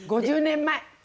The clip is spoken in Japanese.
５０年前。